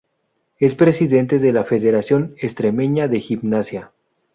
Es presidente de la Federación Extremeña de Gimnasia.